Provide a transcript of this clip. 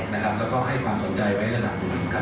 และให้ความสนใจไว้ระดับสิ่งก่อน